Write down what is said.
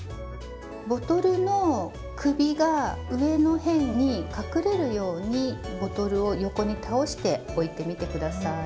ボトルの首が上の辺に隠れるようにボトルを横に倒して置いてみて下さい。